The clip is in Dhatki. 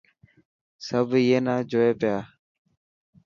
سڀ اي نا جوئي پيا.